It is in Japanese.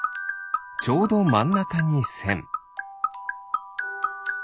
ちょうどまんなかにせん。